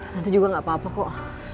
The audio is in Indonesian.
nanti juga gapapa kok